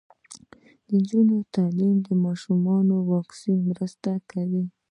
د نجونو تعلیم د ماشومانو واکسین مرسته کوي.